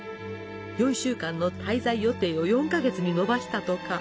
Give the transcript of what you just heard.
４週間の滞在予定を４か月に延ばしたとか。